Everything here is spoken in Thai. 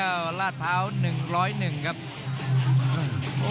กรรมการเตือนทั้งคู่ครับ๖๖กิโลกรัม